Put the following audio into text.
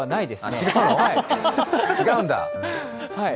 違うんだ。